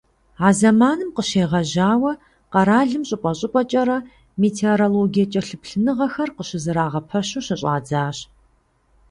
А зэманым къыщегъэжьауэ къэралым щӀыпӀэ-щӀыпӀэкӀэрэ метеорологие кӀэлъыплъыныгъэхэр къыщызэрагъэпэщу щыщӀадзащ.